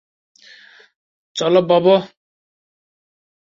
চলো, বব।